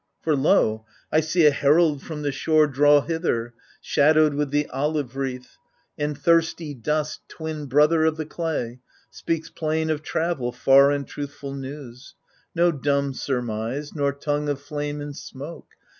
For lo ! I see a herald from the shore Draw hither, shadowed with the olive wreath — And thirsty dust, twin brother of the clay, Speaks plain of travel far and truthful news — No dumb surmise, nor tongue of flame in smoke.